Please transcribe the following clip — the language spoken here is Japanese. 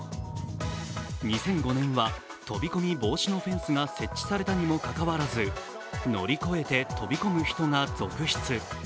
２００５年は飛び込み防止のフェンスが設置されたにもかかわらず乗り越えて飛び込む人が続出。